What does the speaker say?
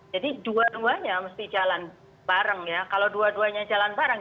jadi dua duanya mesti jalan bareng ya kalau dua duanya jalan bareng